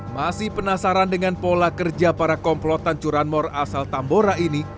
masih penasaran dengan pola kerja para komplotan curanmor asal tambora ini